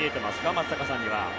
松坂さんには。